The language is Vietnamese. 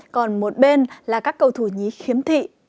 còn một bên là các cầu thủ nhí khiếm thị